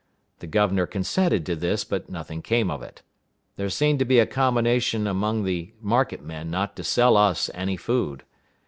The governor consented to this; but nothing came of it. There seemed to be a combination among the market men not to sell us any food.